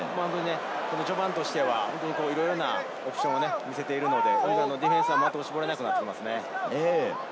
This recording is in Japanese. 序盤としてはいろいろなオプションを見せているので、イングランドのディフェンスがしぼれなくなってきますね。